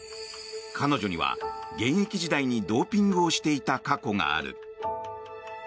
彼女には現役時代にドーピングをしていた過去がある。